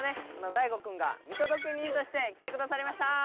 大吾くんが見届け人として来てくださりました！